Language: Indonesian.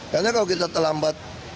karena kalau kita terlambat